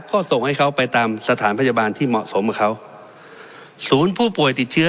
ก็ส่งให้เขาไปตามสถานพยาบาลที่เหมาะสมกับเขาศูนย์ผู้ป่วยติดเชื้อ